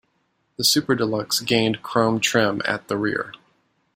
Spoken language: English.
The Super Deluxe gained chrome trim at the rear.